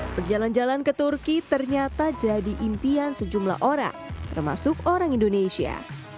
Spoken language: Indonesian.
berjalan jalan ke turki ternyata jadi impian sejumlah orang termasuk orang indonesia